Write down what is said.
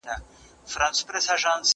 زه بايد کتابتون ته ولاړ سم،